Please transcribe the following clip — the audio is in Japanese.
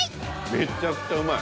めちゃくちゃうまい。